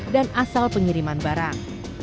dan asal pengiriman barang